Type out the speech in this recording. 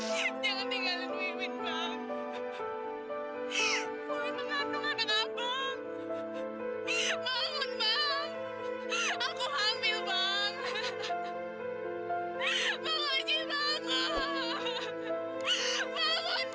jangan tinggalin wimit mbak